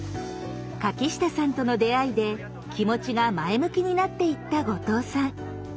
柿下さんとの出会いで気持ちが前向きになっていった後藤さん。